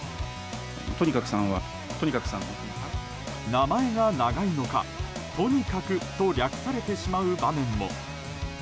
名前が長いのかトニカクと略されてしまう場面も。